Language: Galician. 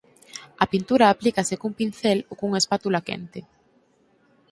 A pintura aplícase cun pincel ou cunha espátula quente.